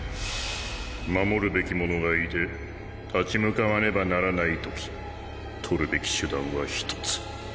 守るべき者がいて立ち向かわねばならないとき取るべき手段は一つ